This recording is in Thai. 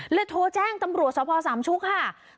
โทรแจ้งตำรวจสภสามชุกค่ะ